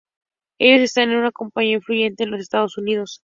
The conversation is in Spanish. Ellos están una compañía influyente en los Estados Unidos.